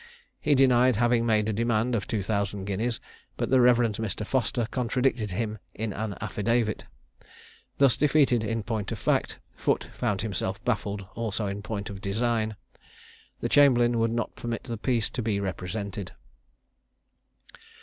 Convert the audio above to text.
He denied having made a demand of two thousand guineas; but the Rev. Mr. Foster contradicted him in an affidavit. Thus defeated in point of fact, Foote found himself baffled also in point of design. The chamberlain would not permit the piece to be represented.